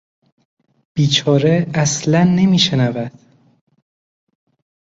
بیچاره اصلا نمیشنود!